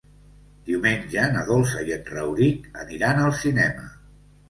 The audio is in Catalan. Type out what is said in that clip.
Diumenge na Dolça i en Rauric aniran al cinema.